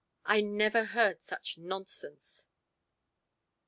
I never heard such nonsense."